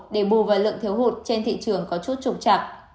để bù vào lượng thiếu hụt trên thị trường có chút trục chặt